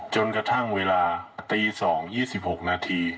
จนกระทั่งเวลาตี๒๒๖นาที